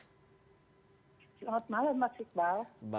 selamat malam pak sikbal